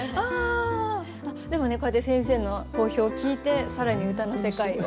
でもねこうやって先生の講評を聞いて更に歌の世界を。